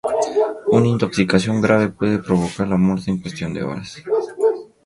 Una intoxicación grave puede provocar la muerte en cuestión de horas.